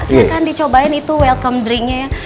silahkan dicobain itu welcome drinknya ya